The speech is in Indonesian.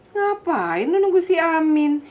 ngapain lu nunggu si amin